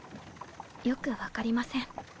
よく分かりません。